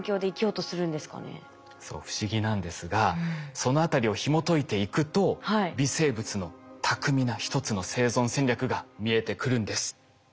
そう不思議なんですがそのあたりをひもといていくと微生物の巧みな一つの生存戦略が見えてくるんです。